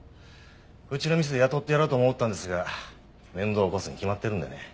うちの店で雇ってやろうと思ったんですが面倒起こすに決まってるんでね。